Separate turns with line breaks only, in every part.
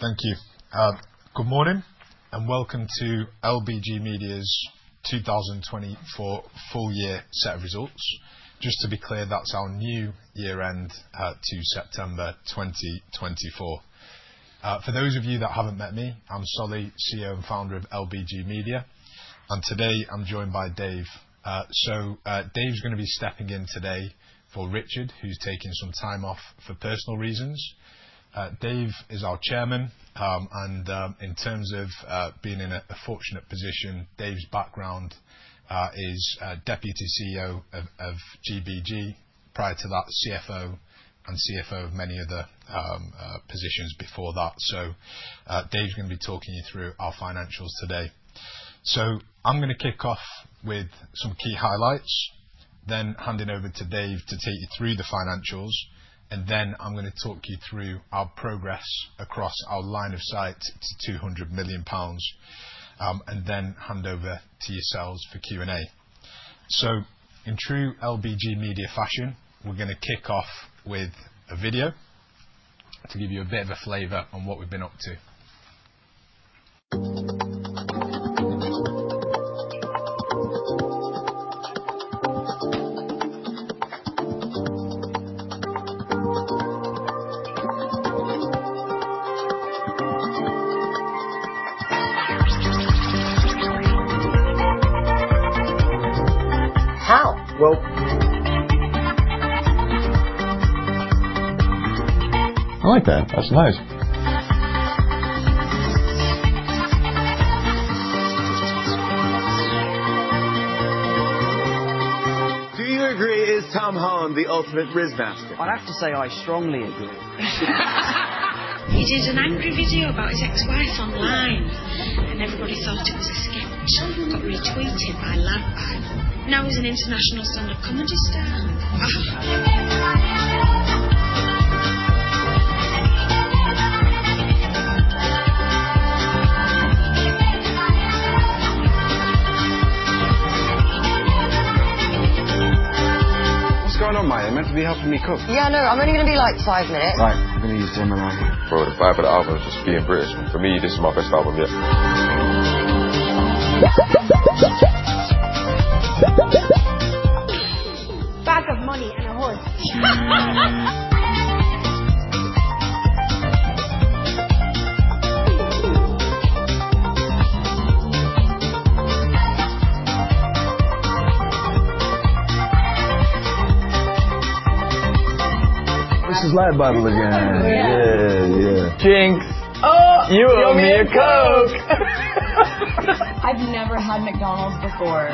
Thank you. Good morning, and welcome to LBG Media's 2024 Full Year Set of Results. Just to be clear, that's our new year-end to September 2024. For those of you that haven't met me, I'm Solly, CEO and founder of LBG Media, and today I'm joined by Dave. Dave's going to be stepping in today for Richard, who's taking some time off for personal reasons. Dave is our Chairman, and in terms of being in a fortunate position, Dave's background is Deputy CEO of GBG, prior to that, CFO, and CFO of many other positions before that. Dave's going to be talking you through our financials today. I'm going to kick off with some key highlights, then hand it over to Dave to take you through the financials, and then I'm going to talk you through our progress across our line of sight to 200 million pounds, and then hand over to yourselves for Q&A. In true LBG Media fashion, we're going to kick off with a video to give you a bit of a flavor on what we've been up to.
Well. I like that. That's nice. Do you agree is Tom Holland the ultimate rizz master? I have to say, I strongly agree. He did an angry video about his ex-wife online, and everybody saw it. Children got it retweeted by LADbible. Now he's an international sex offender. What's going on, Maya? You're meant to be helping me cook. Yeah, I know. I'm going to be like five minutes. Right. Leave him, Maya. Bro, the vibe of the album is just being British. For me, this is my best album yet. Back of money in a horse. This is LADbible again. Oh, yeah. Yeah. Jinx. Oh, you owe me a Coke. I've never had McDonald's before.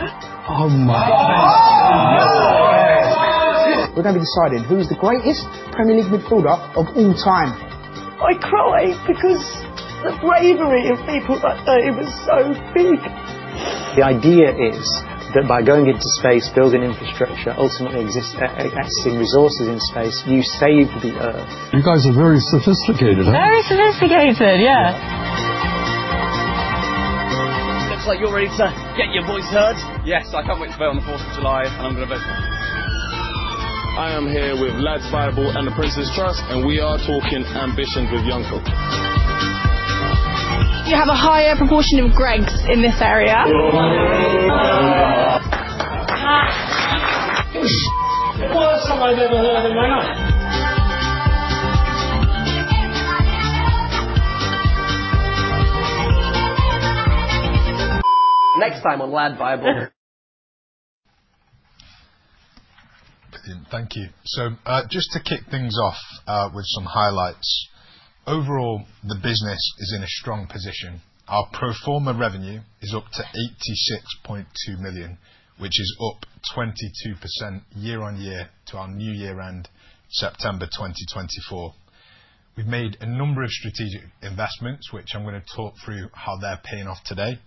Oh my God. What? We're going to be deciding who's the greatest Premier League footballer of all time. I cry because the bravery of people that day was so big. The idea is that by going into space, building infrastructure, ultimately accessing resources in space, you save the Earth. You guys are very sophisticated. Very sophisticated, yeah. Looks like you're ready to get your voice heard. Yes, I can't wait to go on the 4th of July. I am here with LADbible and The Prince's Trust, and we are talking ambition with Jungkook. You have a higher proportion of grapes in this area. The first time I've ever heard anyone clap. Next time on LADbible.
Thank you. Just to kick things off with some highlights, overall, the business is in a strong position. Our pro forma revenue is up to 86.2 million, which is up 22% year-over-year to our new year-end, September 2024. We've made a number of strategic investments, which I'm going to talk through how they're paying off today.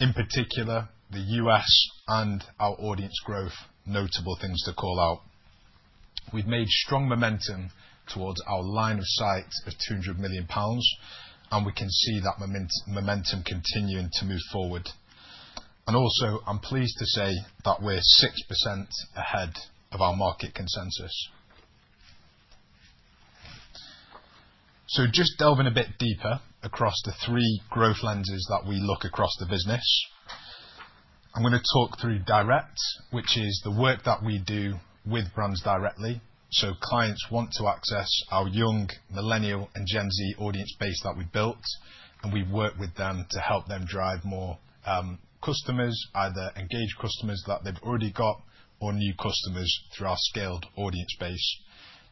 In particular, the U.S. and our audience growth, notable things to call out. We've made strong momentum towards our line of sight of 200 million pounds, and we can see that momentum continuing to move forward. I'm pleased to say that we're 6% ahead of our market consensus. Just delving a bit deeper across the three growth lenses that we look across the business, I'm going to talk through direct, which is the work that we do with brands directly. Clients want to access our young, millennial, and Gen Z audience base that we've built, and we work with them to help them drive more customers, either engage customers that they've already got or new customers through our scaled audience base.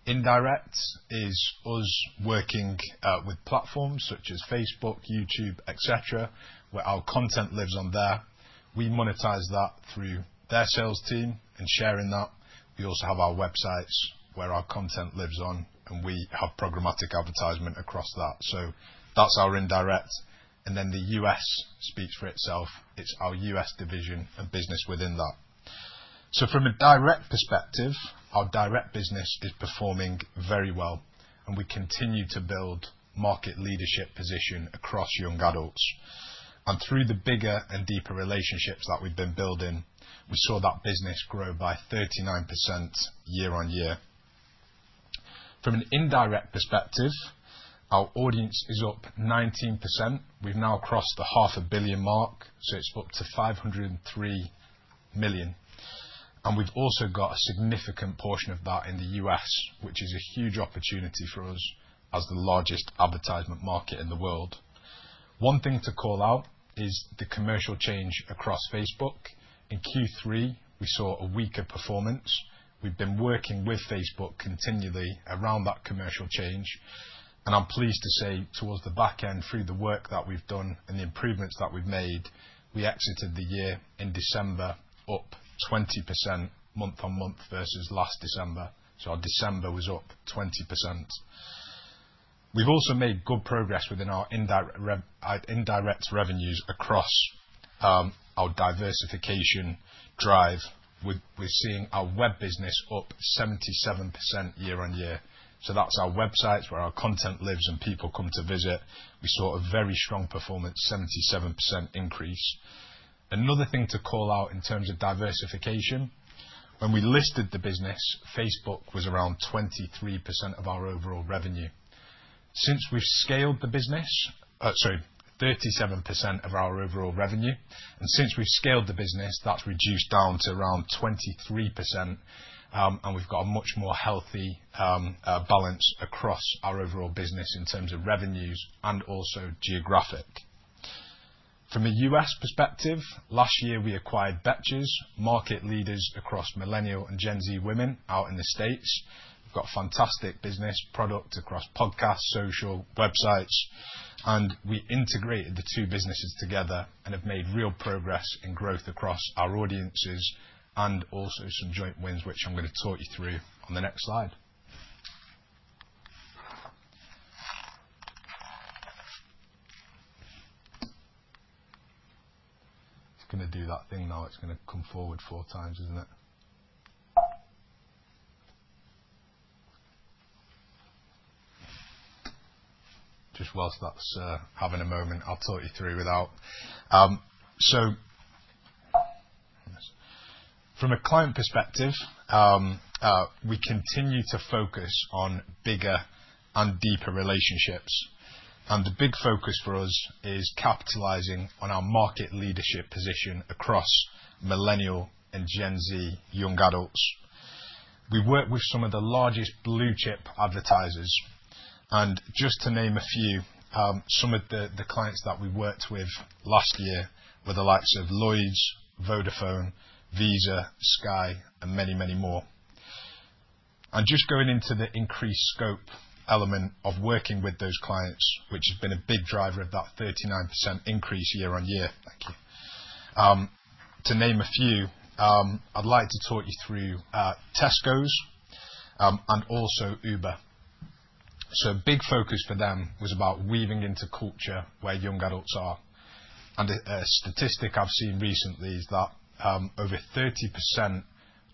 Indirect is us working with platforms such as Facebook, YouTube, et cetera, where our content lives on there. We monetize that through their sales team and sharing that. We also have our websites where our content lives on, and we have programmatic advertisement across that. That's our indirect. The U.S. speaks for itself. It's our U.S. division and business within that. From a direct perspective, our direct business is performing very well, and we continue to build market leadership position across young adults. Through the bigger and deeper relationships that we've been building, we saw that business grow by 39% year-on-year. From an indirect perspective, our audience is up 19%. We've now crossed the half a billion mark, so it's up to 503 million, and we've also got a significant portion of that in the U.S., which is a huge opportunity for us as the largest advertisement market in the world. One thing to call out is the commercial change across Facebook. In Q3, we saw a weaker performance. We've been working with Facebook continually around that commercial change, and I'm pleased to say towards the back end, through the work that we've done and the improvements that we've made, we exited the year in December up 20% month-on-month versus last December. Our December was up 20%. We've also made good progress within our indirect revenues across our diversification drive. We're seeing our web business up 77% year-on-year. That's our website where our content lives and people come to visit. We saw a very strong performance, 77% increase. Another thing to call out in terms of diversification, when we listed the business, Facebook was around 23% of our overall revenue. Sorry, 37% of our overall revenue. Since we've scaled the business, that's reduced down to around 23%. We've got a much more healthy balance across our overall business in terms of revenues and also geographic. From a U.S. perspective, last year we acquired Betches, market leaders across millennial and Gen Z women out in the States. We've got fantastic business product across podcasts, social, websites. We integrated the two businesses together and have made real progress in growth across our audiences and also some joint wins, which I'm going to talk you through on the next slide. It's going to do that thing now. It's going to come forward four times, isn't it? Just whilst that's having a moment, I'll talk you through without. From a client perspective, we continue to focus on bigger and deeper relationships, and the big focus for us is capitalizing on our market leadership position across millennial and Gen Z young adults. We work with some of the largest blue chip advertisers, and just to name a few, some of the clients that we worked with last year were the likes of Lloyds, Vodafone, Visa, Sky, and many, many more. Just going into the increased scope element of working with those clients, which has been a big driver of that 39% increase year-on-year. Thank you. To name a few, I'd like to talk you through Tesco and also Uber. A big focus for them was about weaving into culture where young adults are. A statistic I've seen recently is that over 30%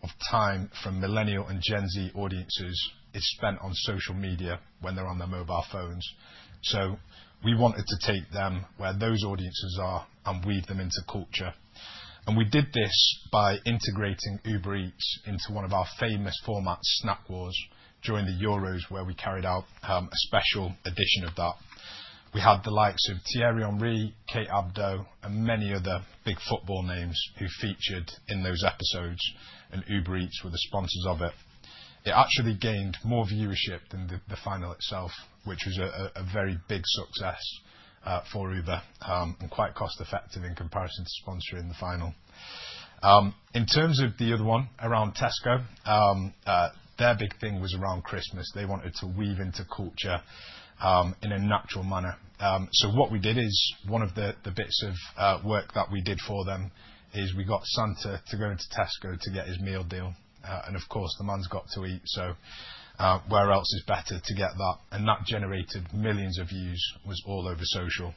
of time from millennial and Gen Z audiences is spent on social media when they're on their mobile phones. We wanted to take them where those audiences are and weave them into culture. We did this by integrating Uber Eats into one of our famous formats, Snack Wars, during the Euros, where we carried out a special edition of that. We had the likes of Thierry Henry, Kate Abdo, and many other big football names who featured in those episodes, and Uber Eats were the sponsors of it. It actually gained more viewership than the final itself, which was a very big success for Uber, and quite cost-effective in comparison to sponsoring the final. In terms of the other one around Tesco, their big thing was around Christmas. They wanted to weave into culture in a natural manner. What we did is, one of the bits of work that we did for them is we got Santa to go into Tesco to get his meal deal, and of course, the man's got to eat, so where else is better to get that? That generated millions of views, was all over social.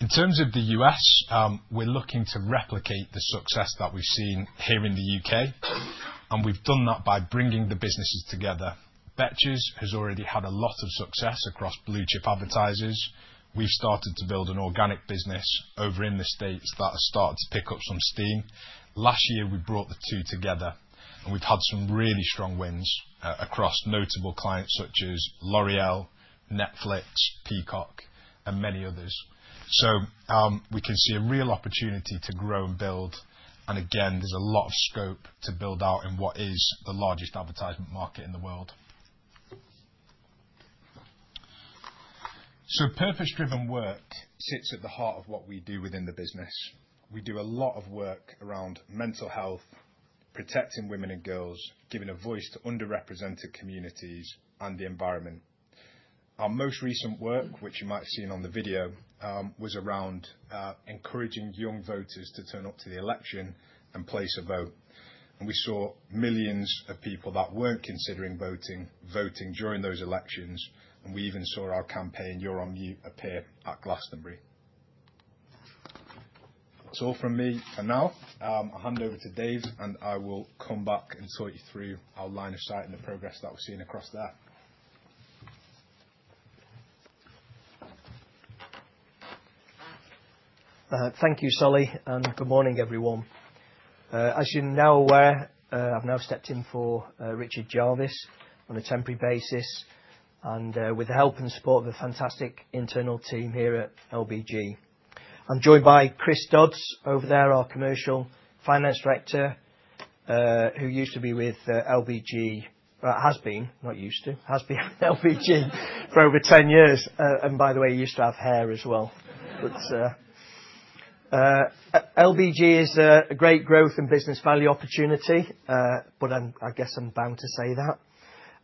In terms of the U.S., we're looking to replicate the success that we've seen here in the U.K., and we've done that by bringing the businesses together. Betches has already had a lot of success across blue chip advertisers. We've started to build an organic business over in the States that has started to pick up some steam. Last year, we brought the two together, and we've had some really strong wins across notable clients such as L'Oréal, Netflix, Peacock, and many others. We can see a real opportunity to grow and build, and again, there's a lot of scope to build out in what is the largest advertisement market in the world. Purpose-driven work sits at the heart of what we do within the business. We do a lot of work around mental health, protecting women and girls, giving a voice to underrepresented communities, and the environment. Our most recent work, which you might have seen on the video, was around encouraging young voters to turn up to the election and place a vote. We saw millions of people that weren't considering voting during those elections, and we even saw our campaign, You're On Mute, appear at Glastonbury. That's all from me for now. I'll hand over to Dave. I will come back and talk you through our line of sight and the progress that we're seeing across that.
Thank you, Solly. Good morning, everyone. As you're now aware, I've now stepped in for Richard Jarvis on a temporary basis, with the help and support of the fantastic internal team here at LBG. I'm joined by Chris Dodd over there, our Commercial Finance Director, who used to be with LBG. Has been at LBG for over 10 years. By the way, used to have hair as well. LBG is a great growth and business value opportunity, but I guess I'm bound to say that.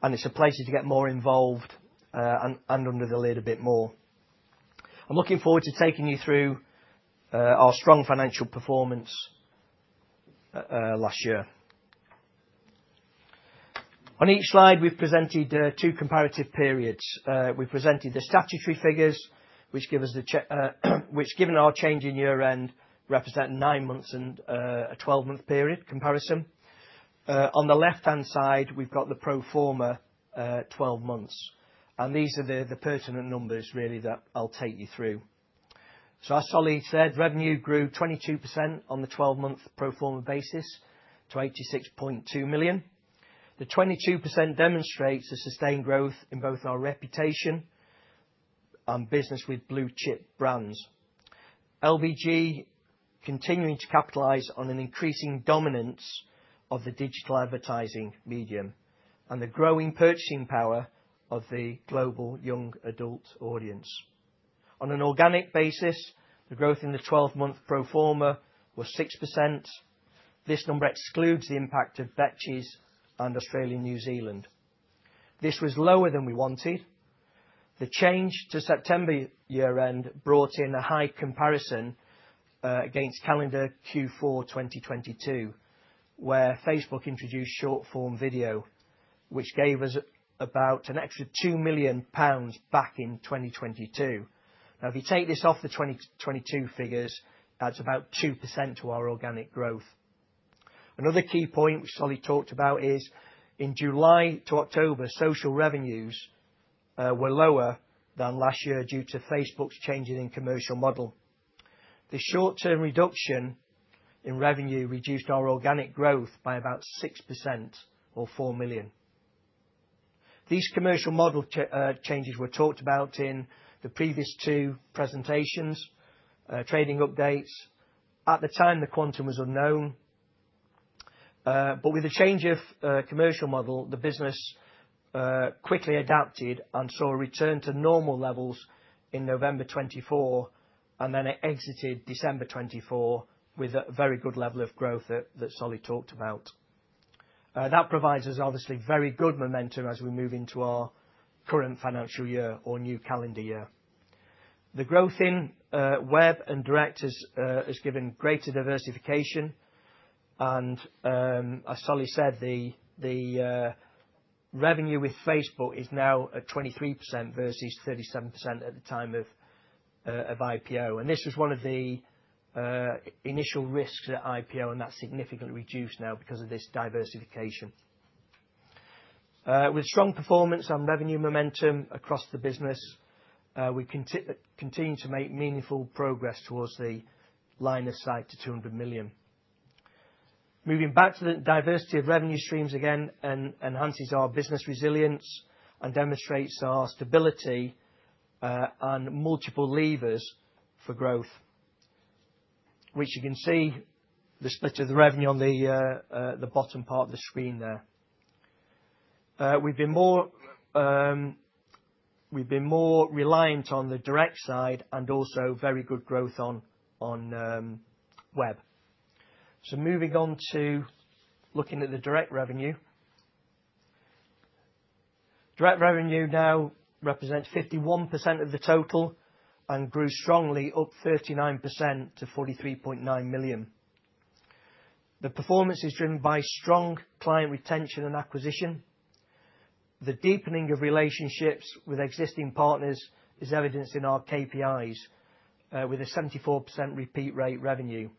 It's a pleasure to get more involved and under the lid a bit more. I'm looking forward to taking you through our strong financial performance last year. On each slide, we've presented two comparative periods. We've presented the statutory figures, which given our change in year-end, represent nine months and a 12-month period comparison. On the left-hand side, we've got the pro forma 12 months. These are the pertinent numbers really that I'll take you through. As Solly said, revenue grew 22% on the 12-month pro forma basis to 26.2 million. The 22% demonstrates a sustained growth in both our reputation and business with blue-chip brands. LBG continuing to capitalize on an increasing dominance of the digital advertising medium and the growing purchasing power of the global young adult audience. On an organic basis, the growth in the 12-month pro forma was 6%. This number excludes the impact of Betches and Australia/New Zealand. This was lower than we wanted. The change to September year-end brought in a high comparison against calendar Q4 2022, where Facebook introduced short-form video, which gave us about an extra 2 million pounds back in 2022. If you take this off the 2022 figures, that's about 2% to our organic growth. Another key point which Solly talked about is in July to October, social revenues were lower than last year due to Facebook's changes in commercial model. The short-term reduction in revenue reduced our organic growth by about 6% or 4 million. These commercial model changes were talked about in the previous two presentations, trading updates. At the time, the quantum was unknown. With the change of commercial model, the business quickly adapted and saw a return to normal levels in November 2024, and then it exited December 2024 with a very good level of growth that Solly talked about. That provides us obviously very good momentum as we move into our current financial year or new calendar year. The growth in web and direct has given greater diversification, and as Solly said, the revenue with Facebook is now at 23% versus 37% at the time of IPO. This was one of the initial risks at IPO, and that's significantly reduced now because of this diversification. With strong performance and revenue momentum across the business, we continue to make meaningful progress towards the line of sight to 200 million. Moving back to the diversity of revenue streams again enhances our business resilience and demonstrates our stability and multiple levers for growth, which you can see the split of the revenue on the bottom part of the screen there. We've been more reliant on the direct side and also very good growth on web. Moving on to looking at the direct revenue. Direct revenue now represents 51% of the total and grew strongly up 39% to 43.9 million. The performance is driven by strong client retention and acquisition. The deepening of relationships with existing partners is evidenced in our KPIs, with a 74% repeat rate revenue.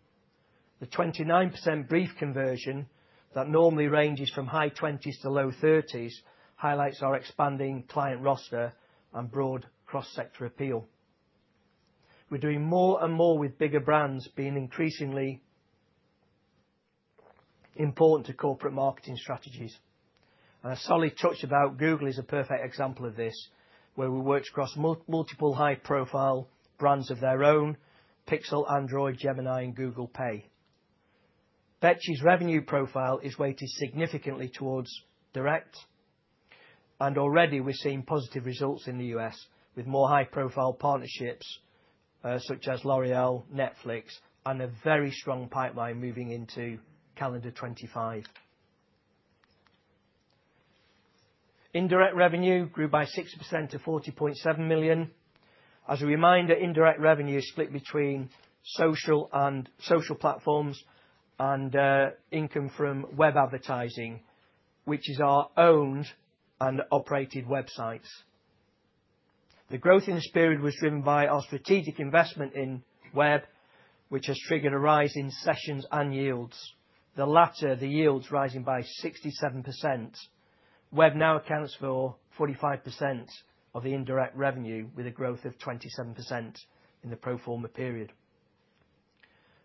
The 29% brief conversion that normally ranges from high 20s to low 30s highlights our expanding client roster and broad cross-sector appeal. We're doing more and more with bigger brands being increasingly important to corporate marketing strategies. Solly talked about Google is a perfect example of this, where we worked across multiple high-profile brands of their own, Pixel, Android, Gemini, and Google Pay. Betches' revenue profile is weighted significantly towards direct, and already we're seeing positive results in the U.S. with more high-profile partnerships such as L'Oréal, Netflix, and a very strong pipeline moving into calendar 2025. Indirect revenue grew by 6% to 40.7 million. As a reminder, indirect revenue is split between social platforms and income from web advertising, which is our owned and operated websites. The growth in this period was driven by our strategic investment in web, which has triggered a rise in sessions and yields. The latter, the yields rising by 67%. Web now accounts for 45% of the indirect revenue, with a growth of 27% in the pro forma period.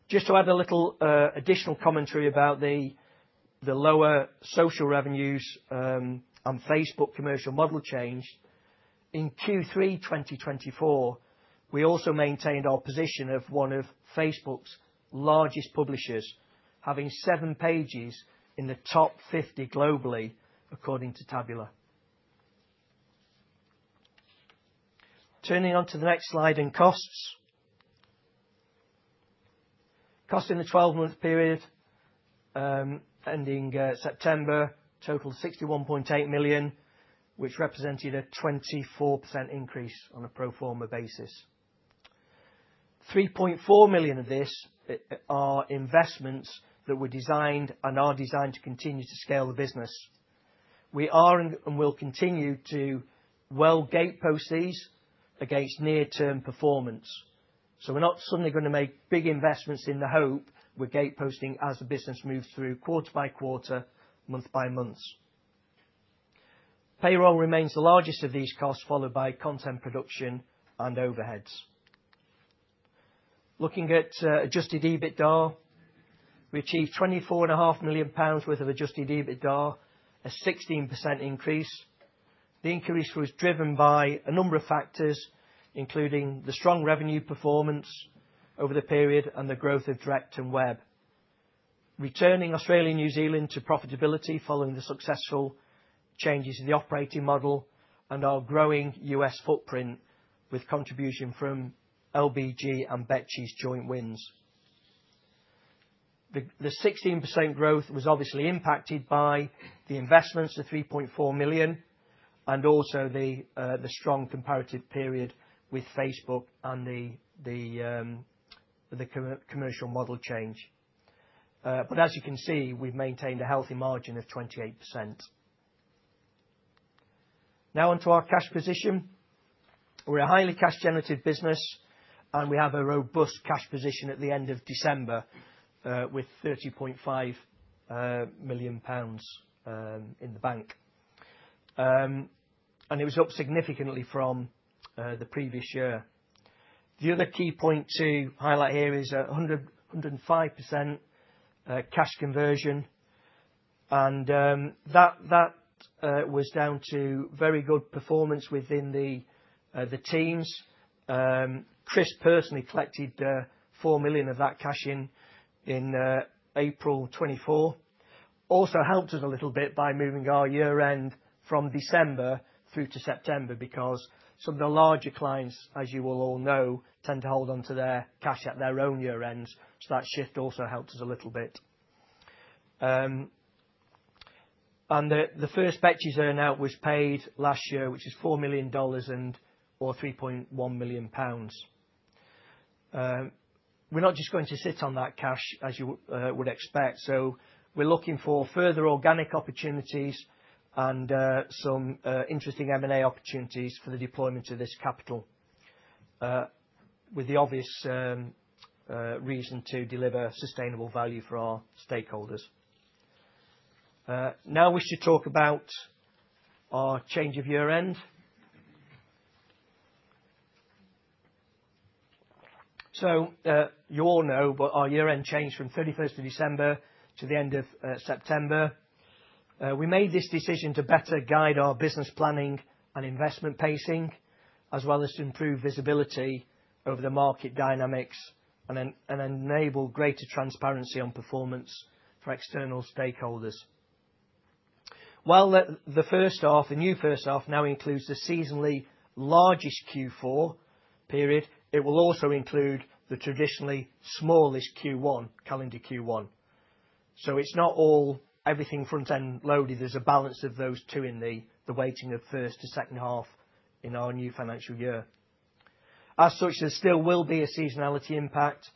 Just to add a little additional commentary about the lower social revenues on Facebook commercial model change. In Q3 2024, we also maintained our position of one of Facebook's largest publishers, having seven pages in the top 50 globally according to Tubular. Turning onto the next slide in costs. Costs in the 12-month period ending September totaled 61.8 million, which represented a 24% increase on a pro forma basis. 3.4 million of this are investments that were designed and are designed to continue to scale the business. We are and will continue to well gatepost these against near-term performance. We're not suddenly going to make big investments in the hope we're gateposting as the business moves through quarter by quarter, month by month. Payroll remains the largest of these costs, followed by content production and overheads. Looking at Adjusted EBITDA, we achieved 24.5 million pounds worth of Adjusted EBITDA, a 16% increase. The increase was driven by a number of factors, including the strong revenue performance over the period and the growth of direct and web. Returning Australia and New Zealand to profitability following the successful changes in the operating model and our growing U.S. footprint with contribution from LBG and Betches joint wins. The 16% growth was obviously impacted by the investments of 3.4 million and also the strong comparative period with Facebook and the commercial model change. As you can see, we've maintained a healthy margin of 28%. Now onto our cash position. We're a highly cash-generative business, and we have a robust cash position at the end of December with 30.5 million pounds in the bank, and it was up significantly from the previous year. The other key point to highlight here is 105% cash conversion, and that was down to very good performance within the teams. Chris personally collected 4 million of that cash in April 2024. Also helped us a little bit by moving our year-end from December through to September because some of the larger clients, as you will all know, tend to hold onto their cash at their own year-end. That shift also helped us a little bit. The first Betches's earn-out was paid last year, which is $4 million or 3.1 million pounds. We're not just going to sit on that cash as you would expect. We're looking for further organic opportunities and some interesting M&A opportunities for the deployment of this capital, with the obvious reason to deliver sustainable value for our stakeholders. Now we should talk about our change of year-end. You all know, but our year-end changed from 31st of December to the end of September. We made this decision to better guide our business planning and investment pacing, as well as to improve visibility over the market dynamics and enable greater transparency on performance for external stakeholders. While the new first half now includes the seasonally largest Q4 period, it will also include the traditionally smallest Q1 coming to Q1. It's not all everything front-end loaded. There's a balance of those two in the weighting of first to second half in our new financial year. There still will be a seasonality impact,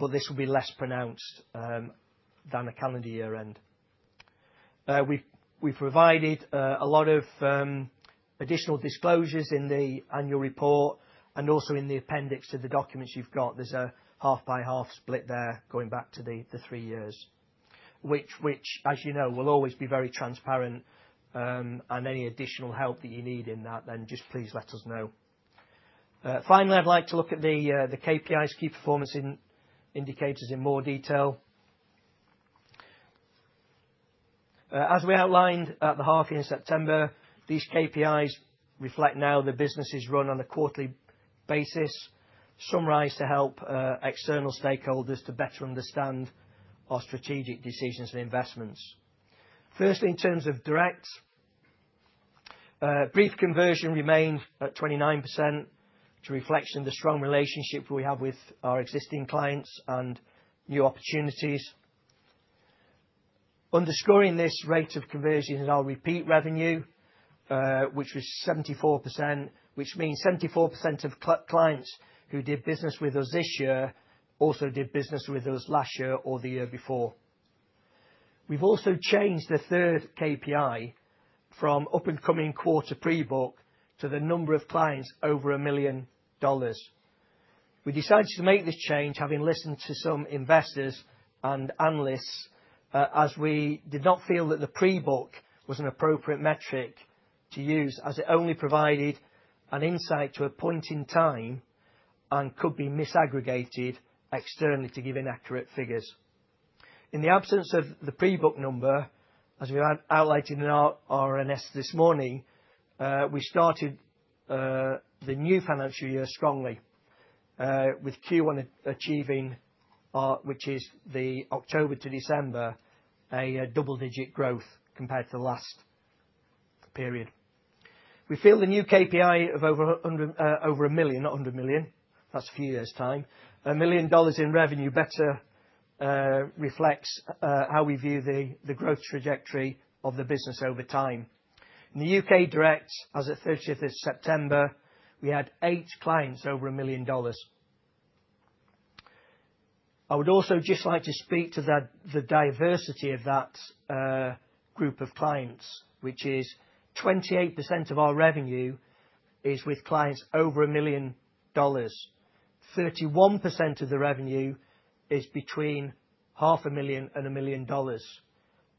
but this will be less pronounced than a calendar year-end. We've provided a lot of additional disclosures in the annual report and also in the appendix to the documents you've got. There's a half-by-half split there going back to the three years, which as you know will always be very transparent. Any additional help that you need in that, just please let us know. Finally, I'd like to look at the KPIs, key performance indicators in more detail. We outlined at the half year in September, these KPIs reflect now the businesses run on a quarterly basis, summarized to help external stakeholders to better understand our strategic decisions and investments. In terms of direct, brief conversion remains at 29%, which reflects on the strong relationships we have with our existing clients and new opportunities. Underscoring this rate of conversion is our repeat revenue which was 74%, which means 74% of clients who did business with us this year also did business with us last year or the year before. We've also changed the third KPI from up and coming quarter pre-book to the number of clients over $1 million. We decided to make this change having listened to some investors and analysts, we did not feel that the pre-book was an appropriate metric to use, as it only provided an insight to a point in time and could be misaggregated externally to give inaccurate figures. In the absence of the pre-book number, as we highlighted in our RNS this morning, we started the new financial year strongly, with Q1 achieving, which is the October to December, a double-digit growth compared to last period. We feel the new KPI of over $1 million, not under $1 million, that's a few years' time, $1 million in revenue better reflects how we view the growth trajectory of the business over time. In the U.K. Direct, as at 30th of September, we had eight clients over $1 million. I would also just like to speak to the diversity of that group of clients, which is 28% of our revenue is with clients over $1 million, 31% of the revenue is between half a million and $1 million,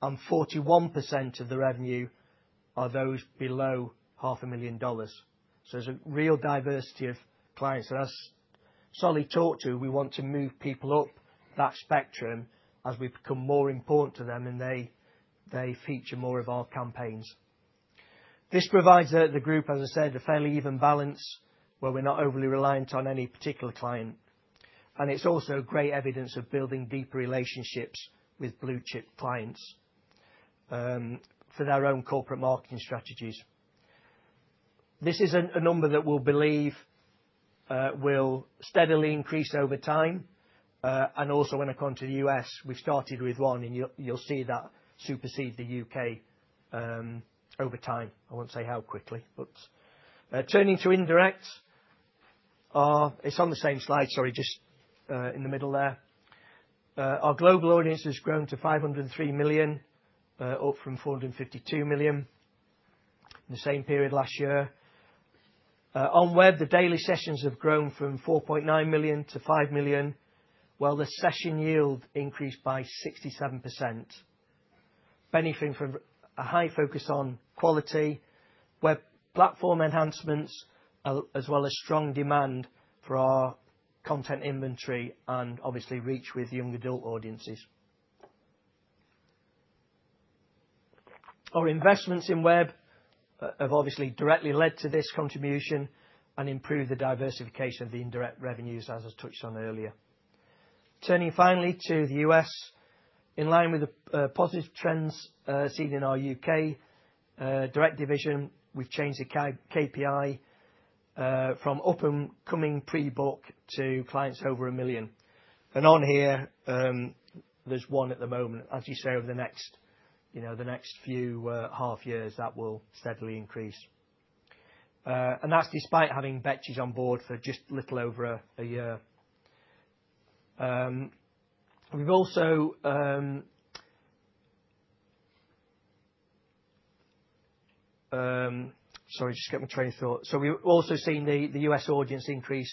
and 41% of the revenue are those below half a million dollars. There's a real diversity of clients that Solly talked to. We want to move people up that spectrum as we become more important to them, and they feature more of our campaigns. This provides the group, as I said, a fairly even balance where we're not overly reliant on any particular client, and it's also great evidence of building deeper relationships with blue-chip clients for their own corporate marketing strategies. This is a number that we believe will steadily increase over time. When it comes to the U.S., we started with one, and you'll see that supersede the U.K. over time. I won't say how quickly. Oops. Turning to indirect, it's on the same slide. Sorry, just in the middle there. Our global audience has grown to 503 million, up from 452 million in the same period last year. On web, the daily sessions have grown from 4.9 million to 5 million, while the session yield increased by 67%, benefiting from a high focus on quality, web platform enhancements, as well as strong demand for our content inventory and obviously reach with young adult audiences. Our investments in web have obviously directly led to this contribution and improved the diversification of the indirect revenues, as I touched on earlier. Turning finally to the U.S., in line with the positive trends seen in our U.K. direct division, we've changed the KPI from up and coming pre-book to clients over 1 million. On here, there's one at the moment. As you say, over the next few half years, that will steadily increase. That's despite having Betches on board for just a little over a year. Sorry, just got my train of thought. We've also seen the U.S. audience increase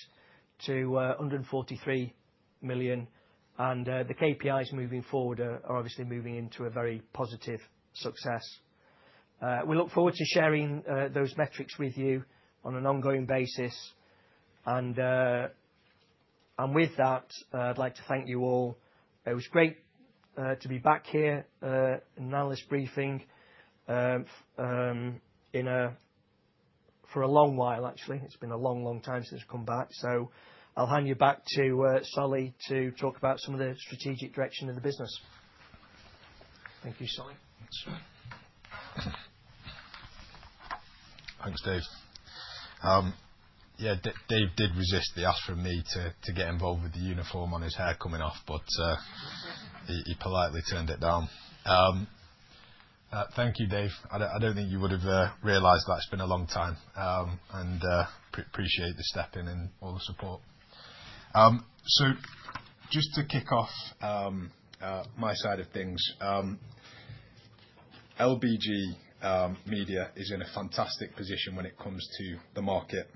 to 143 million. The KPIs moving forward are obviously moving into a very positive success. We look forward to sharing those metrics with you on an ongoing basis. With that, I'd like to thank you all. It was great to be back here in an analyst briefing for a long while, actually. It's been a long time since I've come back. I'll hand you back to Solly to talk about some of the strategic direction of the business. Thank you, Solly.
Thanks, Dave. Yeah, Dave did resist the ask from me to get involved with the uniform and his hair coming off, but he politely turned it down. Thank you, Dave. I don't think you would have realized that it's been a long time, and appreciate the stepping in, all the support. Just to kick off my side of things, LBG Media is in a fantastic position when it comes to the market.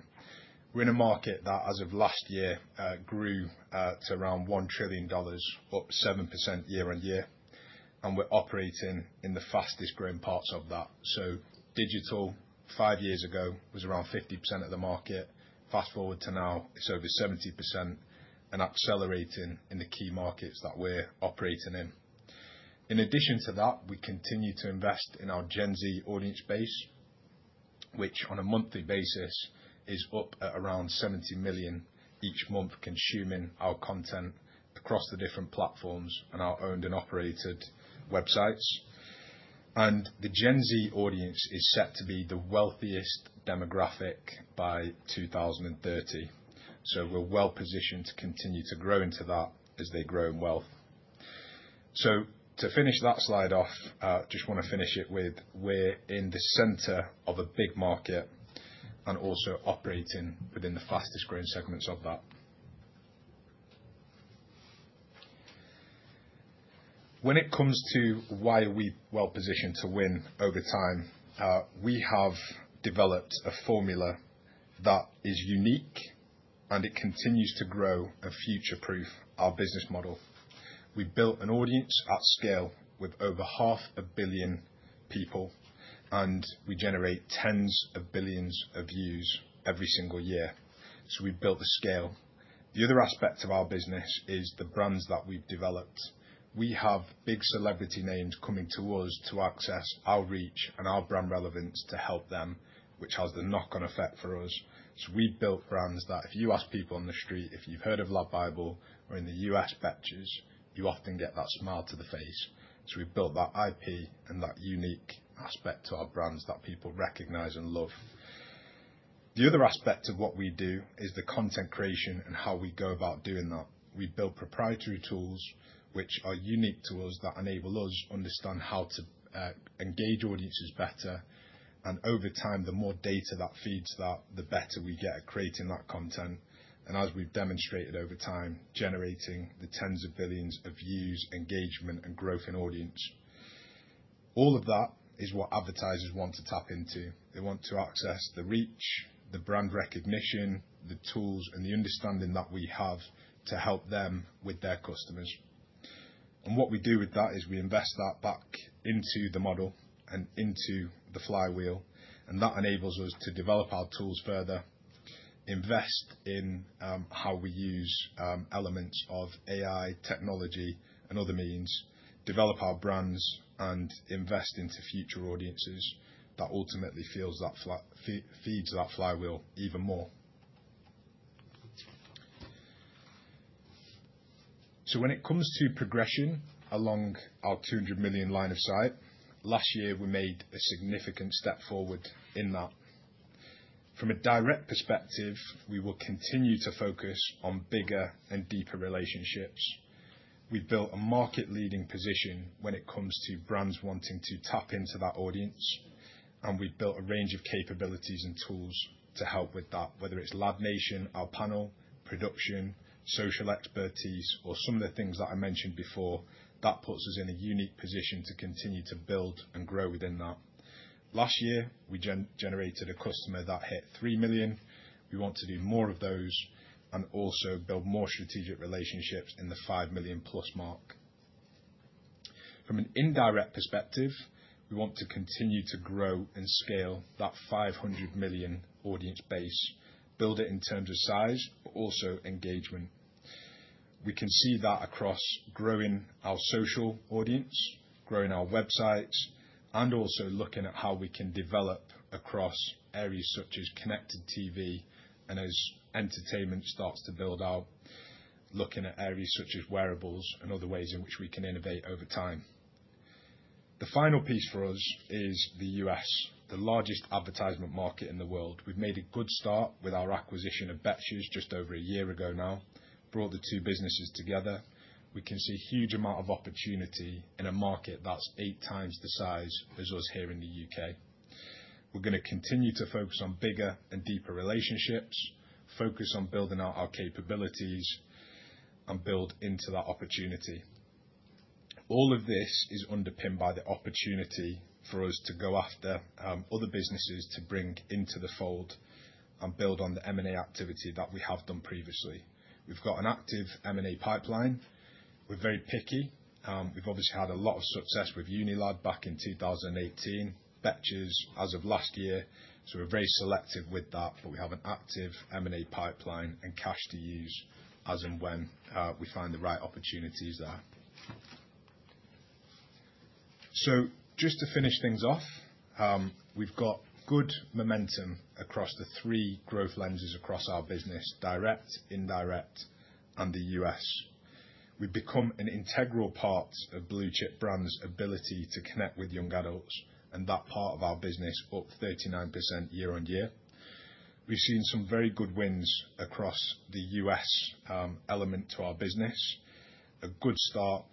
We're in a market that, as of last year, grew to around GBP 1 trillion, up 7% year-on-year, and we're operating in the fastest growing parts of that. Digital, five years ago, was around 50% of the market. Fast-forward to now, it's over 70% and accelerating in the key markets that we're operating in. In addition to that, we continue to invest in our Gen Z audience base, which on a monthly basis is up at around 70 million each month consuming our content across the different platforms and our owned and operated websites. The Gen Z audience is set to be the wealthiest demographic by 2030. We're well positioned to continue to grow into that as they grow in wealth. To finish that slide off, just want to finish it with we're in the center of a big market and also operating within the fastest growing segments of that. When it comes to why we are well-positioned to win over time, we have developed a formula that is unique and it continues to grow and future-proof our business model. We've built an audience at scale with over half a billion people, and we generate tens of billions of views every single year. We've built the scale. The other aspect of our business is the brands that we've developed. We have big celebrity names coming to us to access our reach and our brand relevance to help them, which has a knock-on effect for us. We've built brands that if you ask people on the street if you've heard of LADbible or in the U.S., Betches, you often get that smile to the face. We've built that IP and that unique aspect to our brands that people recognize and love. The other aspect of what we do is the content creation and how we go about doing that. We build proprietary tools which are unique to us, that enable us to understand how to engage audiences better. Over time, the more data that feeds that, the better we get at creating that content. As we've demonstrated over time, generating the tens of billions of views, engagement, and growth in audience. All of that is what advertisers want to tap into. They want to access the reach, the brand recognition, the tools, and the understanding that we have to help them with their customers. What we do with that is we invest that back into the model and into the flywheel, and that enables us to develop our tools further, invest in how we use elements of AI technology and other means, develop our brands, and invest into future audiences that ultimately feeds that flywheel even more. When it comes to progression along our 200 million line of sight, last year, we made a significant step forward in that. From a direct perspective, we will continue to focus on bigger and deeper relationships. We've built a market-leading position when it comes to brands wanting to tap into that audience, and we've built a range of capabilities and tools to help with that. Whether it's LADnation, our panel, production, social expertise, or some of the things that I mentioned before, that puts us in a unique position to continue to build and grow within that. Last year, we generated a customer that hit 3 million. We want to do more of those and also build more strategic relationships in the 5 million+ mark. From an indirect perspective, we want to continue to grow and scale that 500 million audience base, build it in terms of size, but also engagement. We can see that across growing our social audience, growing our websites, and also looking at how we can develop across areas such as connected TV. As entertainment starts to build out, looking at areas such as wearables and other ways in which we can innovate over time. The final piece for us is the U.S., the largest advertisement market in the world. We've made a good start with our acquisition of Betches just over a year ago now, brought the two businesses together. We can see a huge amount of opportunity in a market that's eight times the size as us here in the U.K. We're going to continue to focus on bigger and deeper relationships, focus on building out our capabilities, and build into that opportunity. All of this is underpinned by the opportunity for us to go after other businesses to bring into the fold and build on the M&A activity that we have done previously. We've got an active M&A pipeline. We're very picky. We've obviously had a lot of success with UNILAD back in 2018, Betches as of last year, so we're very selective with that, but we have an active M&A pipeline and cash to use as and when we find the right opportunities there. Just to finish things off, we've got good momentum across the three growth lenses across our business, direct, indirect, and the U.S. We've become an integral part of blue-chip brands' ability to connect with young adults, and that part of our business up 39% year-on-year. We've seen some very good wins across the U.S. element to our business. A good start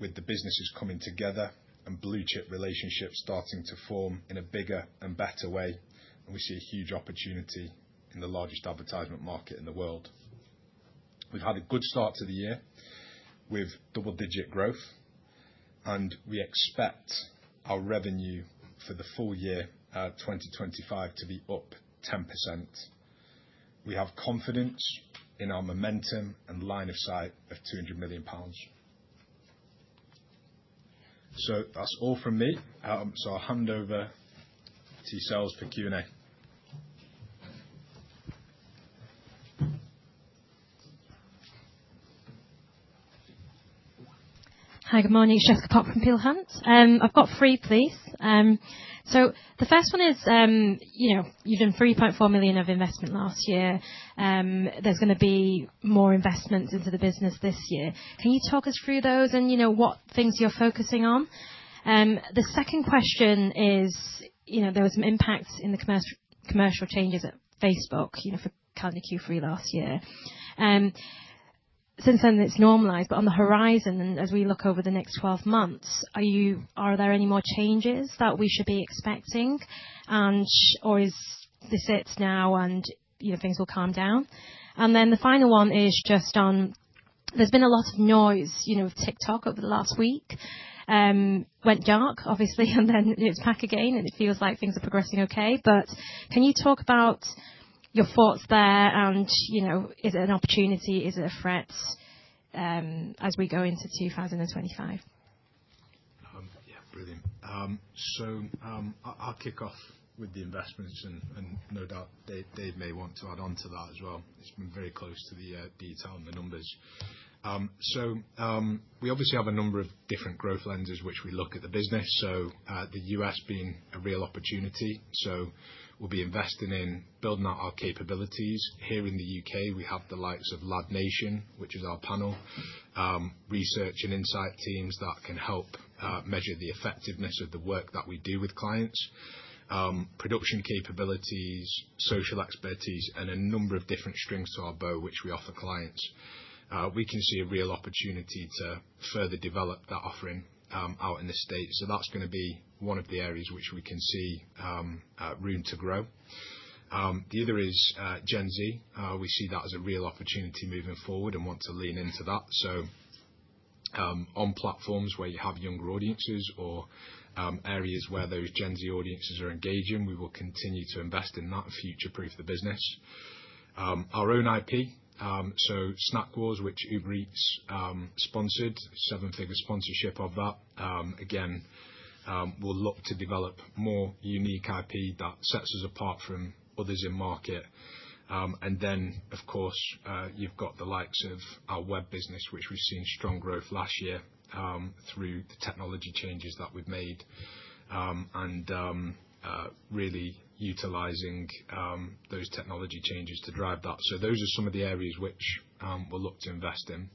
with the businesses coming together and blue-chip relationships starting to form in a bigger and better way, and we see a huge opportunity in the largest advertisement market in the world. We've had a good start to the year with double-digit growth, and we expect our revenue for the full year 2025 to be up 10%. We have confidence in our momentum and line of sight of 200 million pounds. That's all from me. I'll hand over to Solly for Q&A.
Hi, good morning. Jessica Pok from Peel Hunt. I've got three, please. The first one is, you did 3.4 million of investment last year. There's going to be more investments into the business this year. Can you talk us through those and what things you're focusing on? The second question is, there were some impacts in the commercial changes at Facebook for Q3 last year. Since then it's normalized, on the horizon, as we look over the next 12 months, are there any more changes that we should be expecting? Is this it now and things will calm down? The final one is just on, there's been a lot of noise, TikTok over the last week went dark. It's back again, and it feels like things are progressing okay. Can you talk about your thoughts there and is it an opportunity, is it a threat as we go into 2025?
Yeah, brilliant. I'll kick off with the investments, and no doubt Dave may want to add on to that as well, because we're very close to the detail on the numbers. We obviously have a number of different growth lenses which we look at the business. The U.S. being a real opportunity. We'll be investing in building out our capabilities. Here in the U.K., we have the likes of LADnation, which is our panel, research and insight teams that can help measure the effectiveness of the work that we do with clients. Production capabilities, social expertise and a number of different strings to our bow, which we offer clients. We can see a real opportunity to further develop that offering out in the States. That's going to be one of the areas which we can see room to grow. The other is Gen Z. We see that as a real opportunity moving forward and want to lean into that. On platforms where you have younger audiences or areas where those Gen Z audiences are engaging, we will continue to invest in that and future-proof the business. Our own IP, so Snack Wars, which Uber Eats sponsored, seven-figure sponsorship of that. Again, we'll look to develop more unique IP that sets us apart from others in market. Of course, you've got the likes of our web business, which we've seen strong growth last year through the technology changes that we've made, and really utilizing those technology changes to drive that. Those are some of the areas which we'll look to invest in.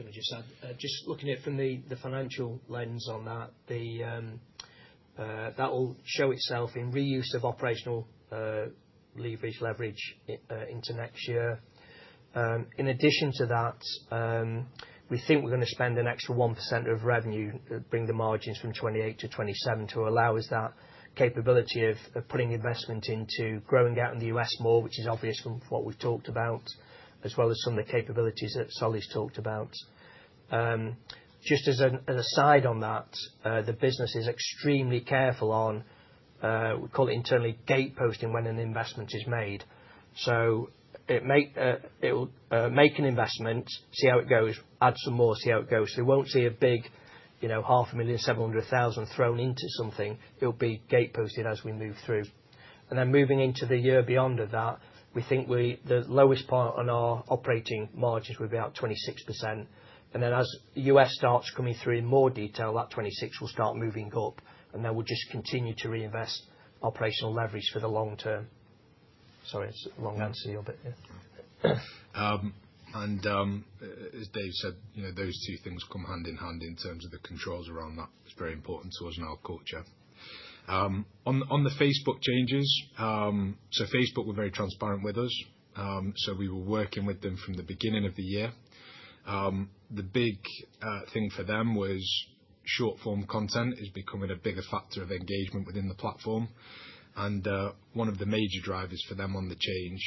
Can I just add? Just looking at it from the financial lens on that will show itself in reuse of operational leverage into next year. In addition to that, we think we're going to spend an extra 1% of revenue to bring the margins from 28 to 27 to allow us that capability of putting investment into growing out in the U.S. more, which is obvious from what we've talked about, as well as some of the capabilities that Solly's talked about. Just as an aside on that, the business is extremely careful on, we call it internally, gate posting when an investment is made. It'll make an investment, see how it goes, add some more, see how it goes. You won't see a big GBP half a million, 700,000 thrown into something. It'll be gate posted as we move through. Moving into the year beyond of that, we think the lowest part on our operating margins will be about 26%. As the U.S. starts coming through in more detail, that 26% will start moving up, we'll just continue to reinvest operational leverage for the long term. Sorry, long answer your bit there.
As Dave said, those two things come hand in hand in terms of the controls around that. It's very important to us and our culture. On the Facebook changes, Facebook were very transparent with us. We were working with them from the beginning of the year. The big thing for them was short-form content is becoming a bigger factor of engagement within the platform. One of the major drivers for them on the change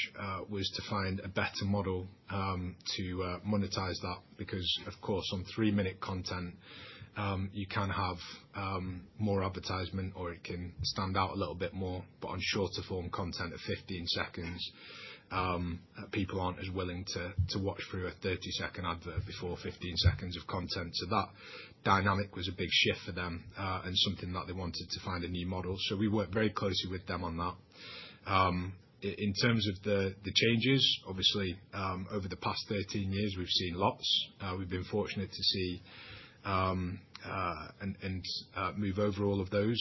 was to find a better model to monetize that because, of course, on three-minute content, you can have more advertisement or it can stand out a little bit more. On shorter form content at 15 seconds, people aren't as willing to watch through a 30-second advert before 15 seconds of content. That dynamic was a big shift for them, and something that they wanted to find a new model. We worked very closely with them on that. In terms of the changes, obviously, over the past 13 years, we've seen lots. We've been fortunate to see and move over all of those.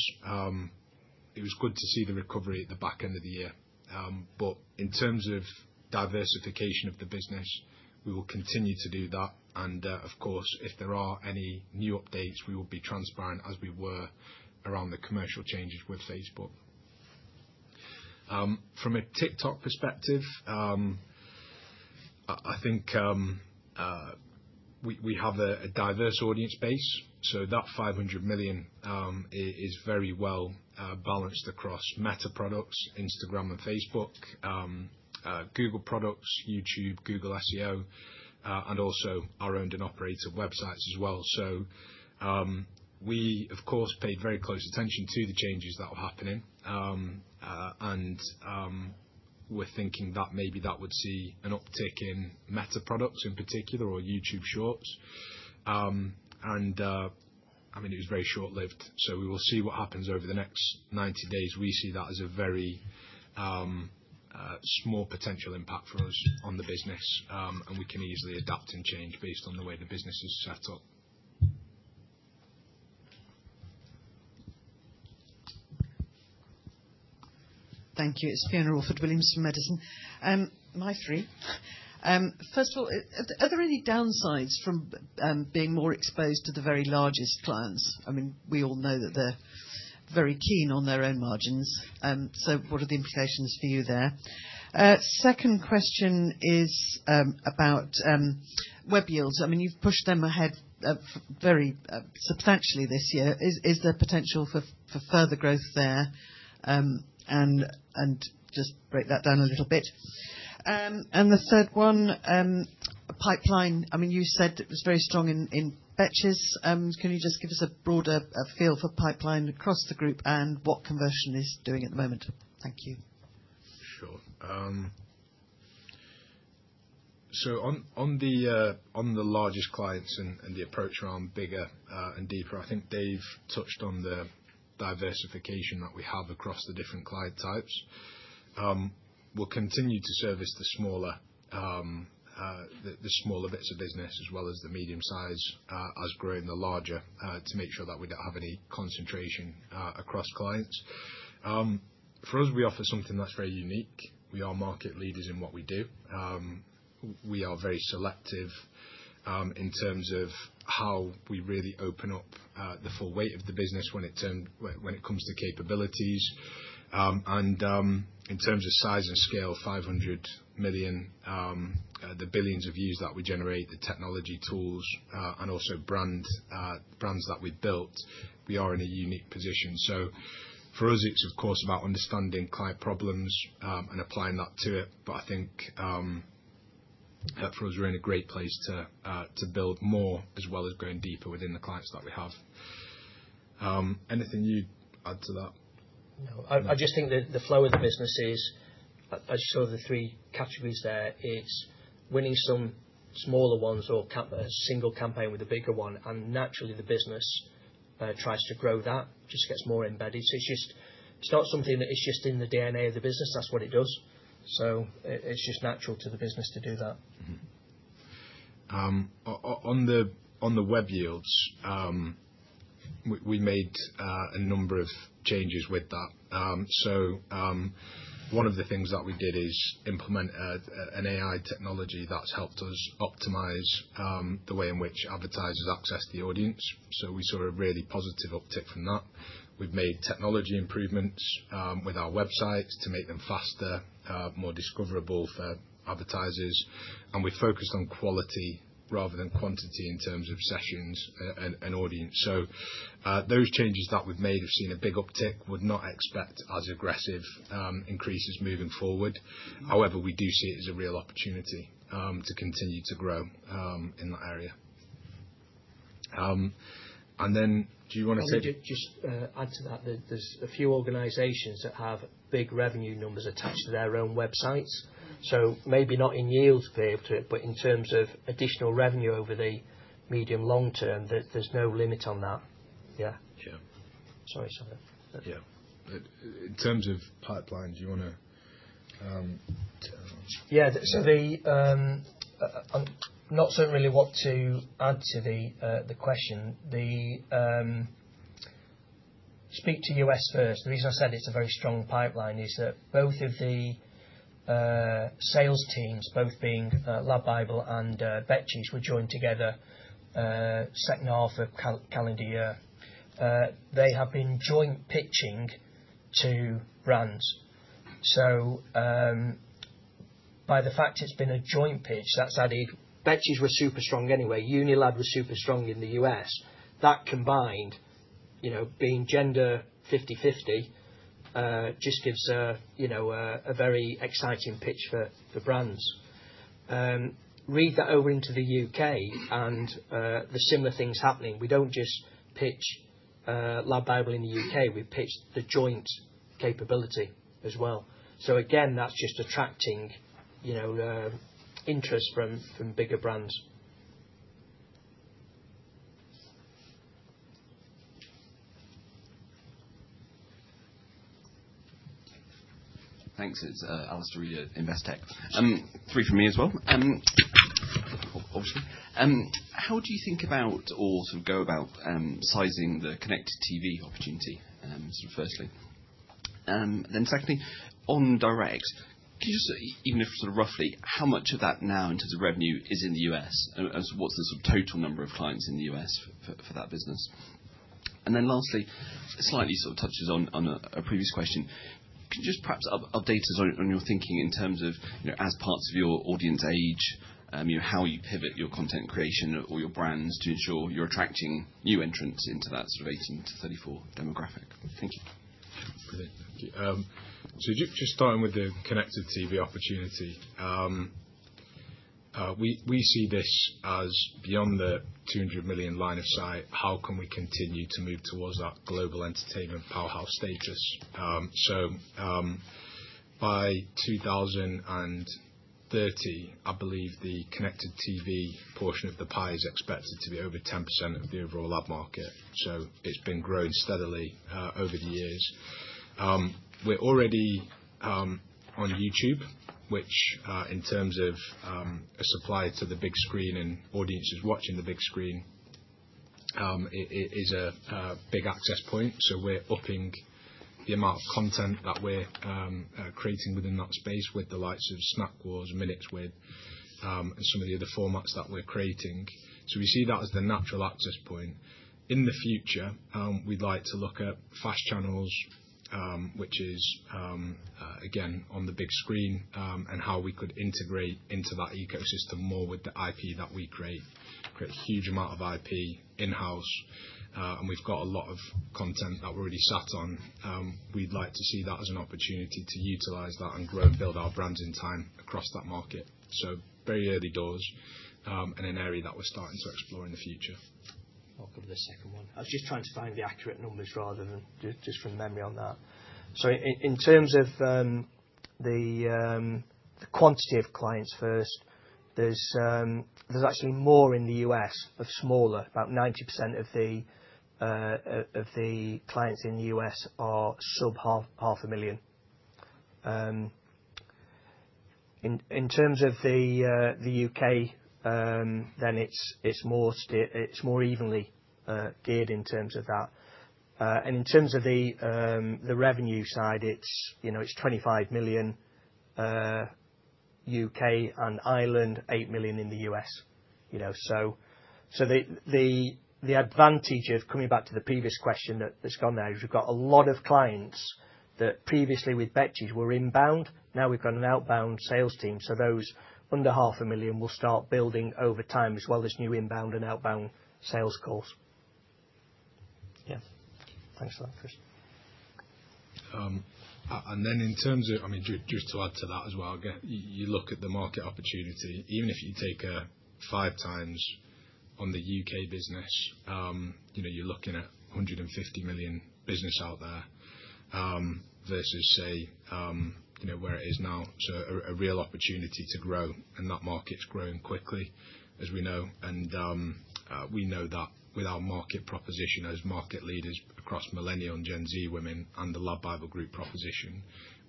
It was good to see the recovery at the back end of the year. In terms of diversification of the business, we will continue to do that. Of course, if there are any new updates, we will be transparent as we were around the commercial changes with Facebook. From a TikTok perspective, I think we have a diverse audience base. That 500 million is very well balanced across Meta products, Instagram and Facebook, Google products, YouTube, Google SEO, and also our own and operated websites as well. We of course pay very close attention to the changes that are happening. We're thinking that maybe that would see an uptick in Meta products in particular or YouTube Shorts. It was very short-lived, so we will see what happens over the next 90 days. We see that as a very small potential impact for us on the business, and we can easily adapt and change based on the way the business is set up.
Thank you. It's Fiona Orford-Williams from Edison. Nice group. First of all, are there any downsides from being more exposed to the very largest clients? We all know that they're very keen on their own margins. What are the implications for you there? Second question is about session yields. You've pushed them ahead very substantially this year. Is there potential for further growth there? Just break that down a little bit. The third one. Pipeline. You said it was very strong in Betches. Can you just give us a broader feel for pipeline across the group and what conversion is doing at the moment? Thank you.
Sure. On the largest clients and the approach around bigger and deeper, I think they've touched on the diversification that we have across the different client types. We'll continue to service the smaller bits of business as well as the medium size, as growing the larger to make sure that we don't have any concentration across clients. For us, we offer something that's very unique. We are market leaders in what we do. We are very selective in terms of how we really open up the full weight of the business when it comes to capabilities. In terms of size and scale, 500 million, the billions of views that we generate, the technology tools, and also brands that we've built, we are in a unique position. For us, it's of course about understanding client problems and applying that to it. I think for us, we're in a great place to build more as well as going deeper within the clients that we have. Anything you'd add to that?
No. I just think that the flow of the business is, as shown in the three categories there. Naturally the business tries to grow that, just gets more embedded. It's just something that is just in the DNA of the business. That's what it does. It's just natural to the business to do that.
On the web yields, we made a number of changes with that. One of the things that we did is implement an AI technology that's helped us optimize the way in which advertisers access the audience. We saw a really positive uptick from that. We've made technology improvements with our websites to make them faster, more discoverable for advertisers, and we focused on quality rather than quantity in terms of sessions and audience. Those changes that we've made, we've seen a big uptick. Would not expect as aggressive increases moving forward. However, we do see it as a real opportunity to continue to grow in that area. Do you want to say?
I would just add to that, there's a few organizations that have big revenue numbers attached to their own websites. Maybe not in yields, Peter, but in terms of additional revenue over the medium long term, there's no limit on that. Yeah.
Yeah.
Sorry.
Yeah. In terms of pipeline, do you want to turn that on?
Yeah. Not certainly what to add to the question. Speak to U.S. first. The reason I said it's a very strong pipeline is that both of the sales teams, both being LADbible and Betches, were joined together second half of calendar year. They have been joint pitching to brands. By the fact it's been a joint pitch, that's added. Betches were super strong anyway. UNILAD was super strong in the U.S. That combined, being 50/50 just gives a very exciting pitch for brands. Read that over into the U.K. and the similar thing's happening. We don't just pitch LADbible in the U.K., we pitch the joint capability as well. Again, that's just attracting interest from bigger brands.
Thanks. It's Allastair Lee at Investec. Three from me as well, obviously. How do you think about or sort of go about sizing the connected TV opportunity? That's the first thing. Second thing, on direct, can you say even if sort of roughly how much of that now in terms of revenue is in the U.S., and what's the sort of total number of clients in the U.S. for that business? Lastly, this slightly sort of touches on a previous question. Can you just perhaps update us on your thinking in terms of as parts of your audience age, how you pivot your content creation or your brands to ensure you're attracting new entrants into that sort of 18 to 34 demographic? Thank you.
Brilliant. Thank you. Just starting with the connected TV opportunity. We see this as beyond the 200 million line of sight, how can we continue to move towards that global entertainment powerhouse status? By 2030, I believe the connected TV portion of the pie is expected to be over 10% of the overall ad market. It's been growing steadily over the years. We're already on YouTube, which in terms of a supply to the big screen and audiences watching the big screen, it is a big access point. We're upping the amount of content that we're creating within that space with the likes of Snack Wars, Minutes With, and some of the other formats that we're creating. We see that as the natural access point. In the future, we'd like to look at FAST channels, which is again, on the big screen, and how we could integrate into that ecosystem more with the IP that we create. We create a huge amount of IP in-house, and we've got a lot of content that we're already sat on. We'd like to see that as an opportunity to utilize that and grow and build our brands in time across that market. Very early doors in an area that we're starting to explore in the future.
I'll give the second one. I was just trying to find the accurate numbers rather than just from memory on that. In terms of the quantity of clients first, there's actually more in the U.S. but smaller. About 90% of the clients in the U.S. are sub half a million. In terms of the U.K., it's more evenly geared in terms of that. In terms of the revenue side, it's 25 million U.K. and Ireland, 8 million in the U.S. The advantage of coming back to the previous question that's gone now is we've got a lot of clients that previously we'd bet you were inbound. Now we've got an outbound sales team, those under half a million will start building over time as well as new inbound and outbound sales calls. Yeah. Thanks a lot, Chris. Just to add to that as well, you look at the market opportunity. Even if you take a 5x on the U.K. business, you are looking at a 150 million business out there, versus say, where it is now. A real opportunity to grow, and that market is growing quickly, as we know. We know that with our market proposition as market leaders across millennial Gen Z women and the LADbible Group proposition,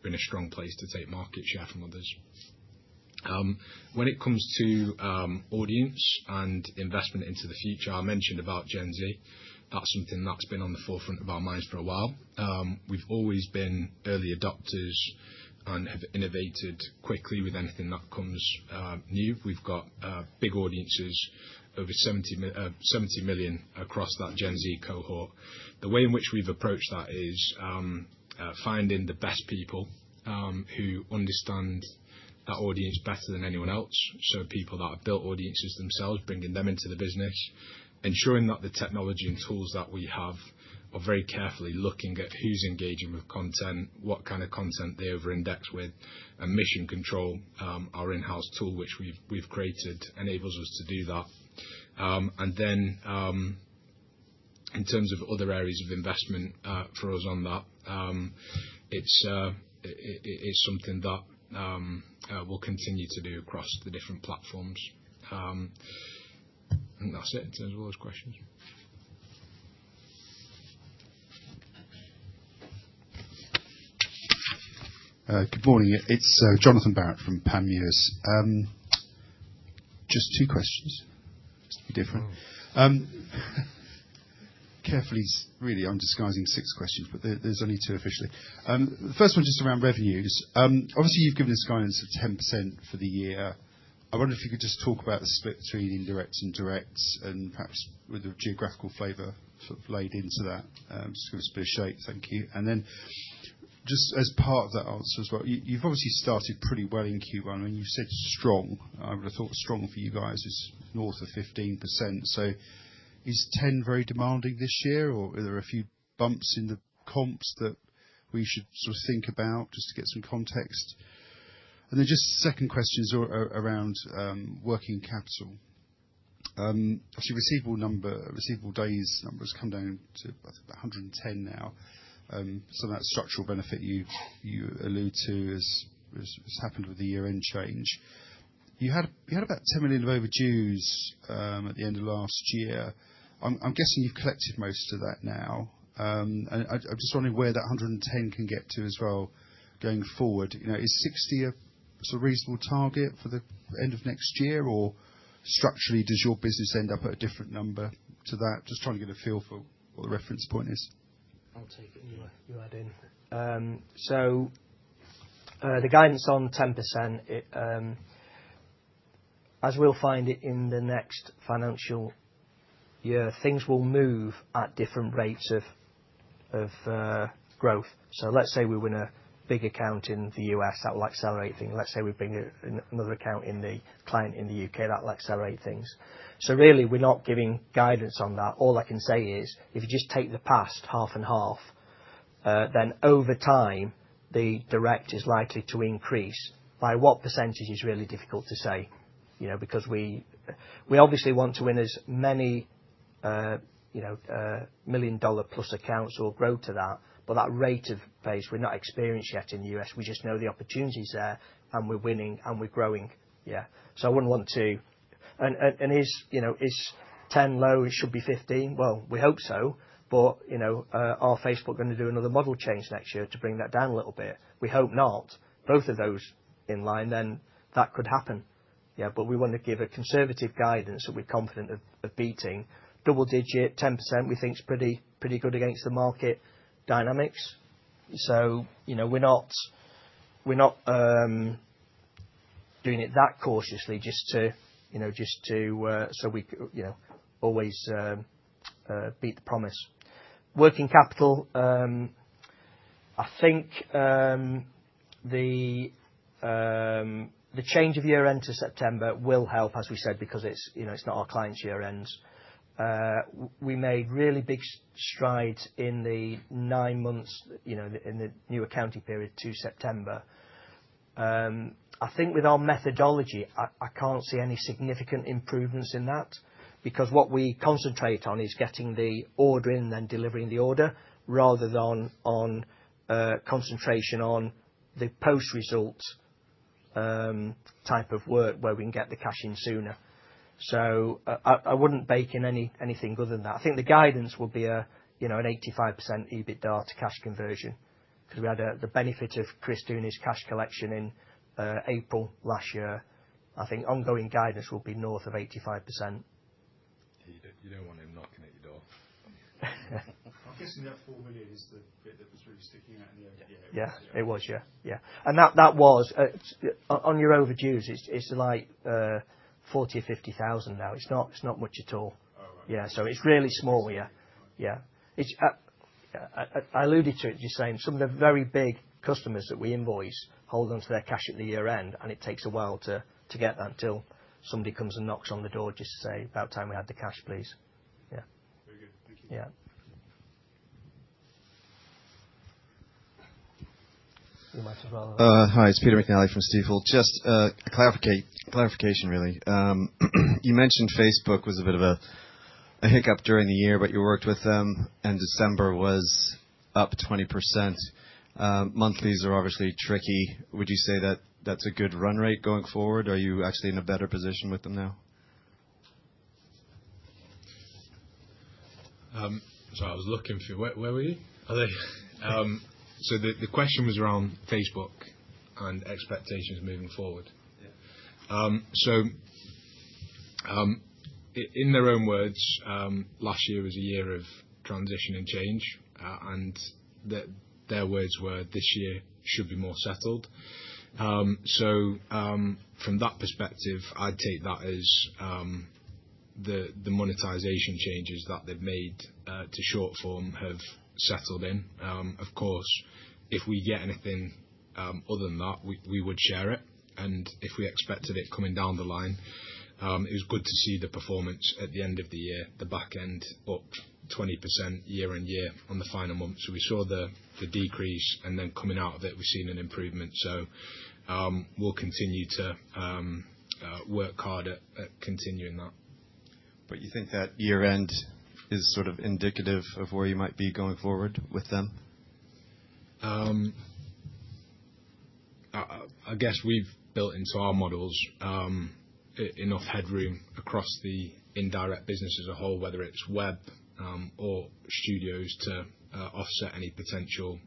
we are in a strong place to take market share from others. When it comes to audience and investment into the future, I mentioned about Gen Z. That is something that has been on the forefront of our minds for a while. We have always been early adopters and have innovated quickly with anything that comes new. We have got big audiences, over 70 million across that Gen Z cohort. The way in which we've approached that is finding the best people who understand that audience better than anyone else. People that have built audiences themselves, bringing them into the business, ensuring that the technology and tools that we have are very carefully looking at who's engaging with content, what kind of content they over-index with, and Mission Control, our in-house tool which we've created, enables us to do that. In terms of other areas of investment for us on that, it's something that we'll continue to do across the different platforms. That's it in terms of all those questions.
Good morning. It's Jonathan Barrett from Panmure. Just two questions. Be different.
Wow.
Carefully, really I'm disguising six questions, but there's only two officially. The first one is just around revenues. Obviously, you've given us guidance of 10% for the year. I wonder if you could just talk about the split between indirect and direct and perhaps with a geographical flavor sort of laid into that. A split shake. Thank you. Just as part of that answer as well, you've obviously started pretty well in Q1, and you said strong. I thought strong for you guys is north of 15%. Is 10% very demanding this year, or are there a few bumps in the comps that we should sort of think about just to get some context? Just the second question is around working capital. Actually, receivable days numbers come down to 110 now. Some of that structural benefit you alluded to has happened with the year-end change. You had about 10 million of overdues at the end of last year. I'm guessing you've collected most of that now. I'm just wondering where that 110 can get to as well going forward. Is 60 a reasonable target for the end of next year, or structurally does your business end up at a different number to that? Just trying to get a feel for what the reference point is.
I'll take it, and you add in. The guidance on 10%, as we'll find it in the next financial year, things will move at different rates of growth. Let's say we win a big account in the U.S., that will accelerate things. Let's say we bring another account in the client in the U.K., that will accelerate things. Really, we're not giving guidance on that. All I can say is if you just take the past half and half, then over time, the direct is likely to increase. By what percentage is really difficult to say because we obviously want to win as many $1 million+ accounts or grow to that. That rate of pace, we're not experienced yet in the U.S. We just know the opportunity's there, and we're winning, and we're growing. Yeah. Is 10 low? It should be 15. Well, we hope so. Are Facebook going to do another model change next year to bring that down a little bit? We hope not. Both of those in line, that could happen. Yeah. We want to give a conservative guidance that we're confident of beating. Double digit, 10%, we think is pretty good against the market dynamics. We're not doing it that cautiously just so we could always beat the promise. Working capital, I think the change of year-end to September will help, as we said, because it's not our client's year-end. We made really big strides in the nine months in the new accounting period to September. I think with our methodology, I can't see any significant improvements in that, because what we concentrate on is getting the order in, then delivering the order, rather than on concentration on the post-result type of work where we can get the cash in sooner. I wouldn't bake in anything other than that. I think the guidance will be an 85% EBITDA to cash conversion. If we add the benefit of Chris doing his cash collection in April last year, I think ongoing guidance will be north of 85%.
You don't want him knocking at your door.
I'm guessing that 4 million is the bit that was really sticking at the end of the year.
Yeah. It was, yeah. That was, on your overdues, it's like 40,000, 50,000 now. It's not much at all.
All right.
Yeah. It's really small. Yeah. I alluded to it, you're saying some of the very big customers that we invoice hold onto their cash at the year-end, and it takes a while to get that until somebody comes and knocks on the door just to say, "About time to have the cash, please." Yeah.
Okay. Thank you.
Yeah.
Hi, it's Peter Knight from Stifel. Just clarification really. You mentioned Facebook was a bit of a hiccup during the year, but you worked with them and December was up 20%. Monthlies are obviously tricky. Would you say that that's a good run rate going forward? Are you actually in a better position with them now?
Sorry, I was looking for you. Where were you? Hello. The question was around Facebook and expectations moving forward. In their own words, last year was a year of transition and change, and their words were this year should be more settled. From that perspective, I'd take that as the monetization changes that they've made to short-form have settled in. Of course, if we get anything other than that, we would share it, and if we expected it coming down the line. It was good to see the performance at the end of the year, the back end up 20% year-on-year on the final month. We saw the decrease, and then coming out of it, we've seen an improvement. We'll continue to work hard at continuing that.
You think that year-end is sort of indicative of where you might be going forward with them?
I guess we've built into our models enough headroom across the indirect business as a whole, whether it's web or studios to offset any potential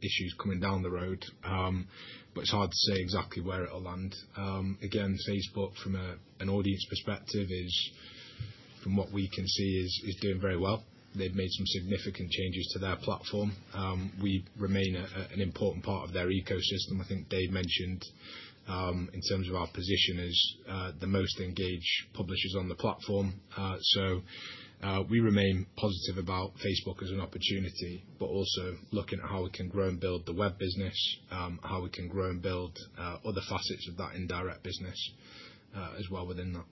issues coming down the road. It's hard to say exactly where it'll land. Facebook, from an audience perspective is, from what we can see, is doing very well. They've made some significant changes to their platform. We remain an important part of their ecosystem. I think they mentioned in terms of our position as the most engaged publishers on the platform. We remain positive about Facebook as an opportunity, but also looking at how we can grow and build the web business, how we can grow and build other facets of that indirect business as well within that.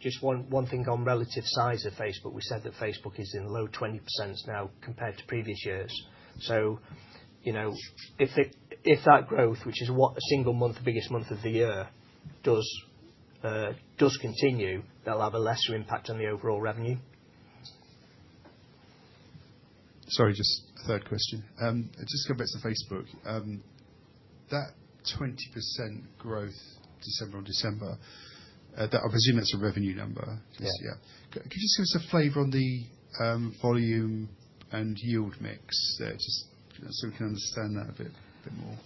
Just one thing on relative size of Facebook. We said that Facebook is in low 20% now compared to previous years. If that growth, which is what a single month, biggest month of the year, does continue, that'll have a lesser impact on the overall revenue.
Sorry, just third question. Going back to Facebook. That 20% growth December on December, I presume that's a revenue number.
Yeah.
Can you just give us a flavor on the volume and yield mix there, just so we can understand that a bit more?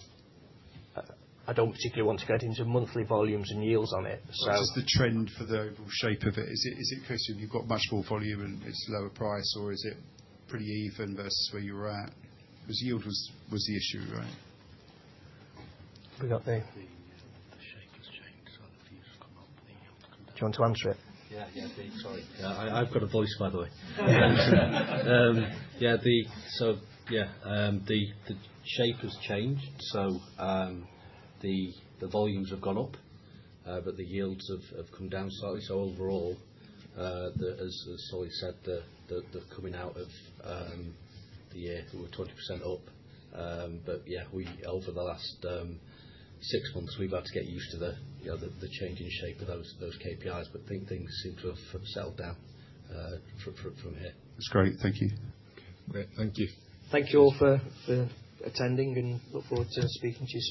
I don't particularly want to get into monthly volumes and yields on it.
Just the trend for the overall shape of it. Is it a case of you've got much more volume and it's lower price, or is it pretty even, that's where you're at? Because yield was the issue, right?
The shape has changed, so the volumes have come up.
Do you want to answer it?
Yeah. Sorry. I've got a voice, by the way. Yeah. The shape has changed. The volumes have gone up, but the yields have come down slightly. Overall, as Solly said, the coming out of the year, it were 20% up. Yeah, over the last six months, we've had to get used to the changing shape of those KPIs. Things seem to have settled down from here.
That's great. Thank you.
Great. Thank you.
Thank you all for attending and look forward to speaking to you soon.